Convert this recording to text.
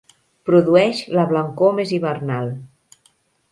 Produeix la blancor més hivernal.